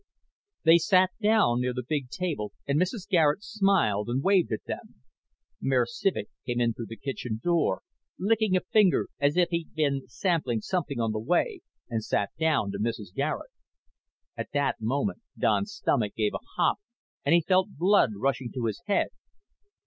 They sat down near the big table and Mrs. Garet smiled and waved at them. Mayor Civek came in through the kitchen door, licking a finger as if he'd been sampling something on the way, and sat down next to Mrs. Garet. At that moment Don's stomach gave a hop and he felt blood rushing to his head.